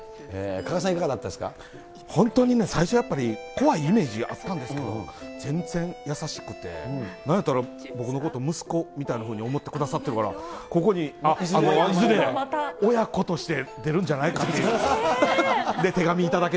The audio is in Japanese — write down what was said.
加賀さん、本当にね、やっぱり最初怖いイメージがあったんですけど、全然優しくて、なんやったら僕のこと息子みたいに思ってくださってるから、ここにいずれ、親子として出るんじゃないかという。